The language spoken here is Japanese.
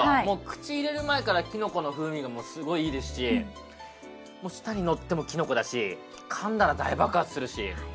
もう口入れる前からきのこの風味がすごいいいですし舌にのってもきのこだしかんだら大爆発するし。